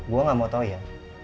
gue gak mau tahu ya